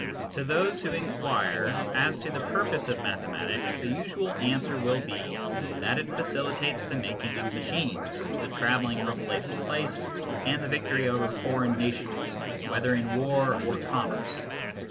To those who inquire as to the purpose of mathematics, the usual answer will be that it facilitates the making of machines, the travelling from place to place, and the victory over foreign nations, whether in war or commerce.